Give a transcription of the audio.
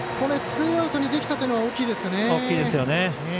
ツーアウトにできたというのは大きいですかね。